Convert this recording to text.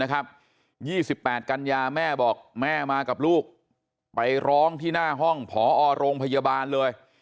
๒๘กันยาแม่บอกแม่มากับลูกไปร้องที่หน้าห้องผอโรงพยาบาลเลย